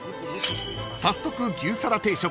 ［早速］